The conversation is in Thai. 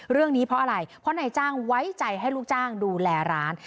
เรื่องนี้เพราะอะไรเพราะนายจ้างไว้ใจให้ลูกจ้างดูแลร้าน